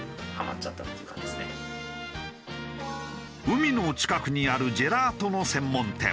海の近くにあるジェラートの専門店。